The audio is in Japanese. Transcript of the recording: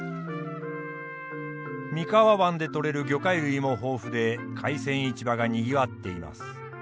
三河湾で取れる魚介類も豊富で海鮮市場がにぎわっています。